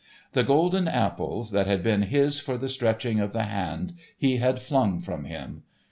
The golden apples, that had been his for the stretching of the hand, he had flung from him.